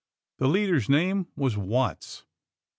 The leader's name was Watts.